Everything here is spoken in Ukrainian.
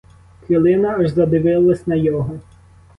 Килина аж задивилась на його.